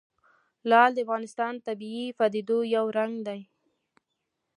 لعل د افغانستان د طبیعي پدیدو یو رنګ دی.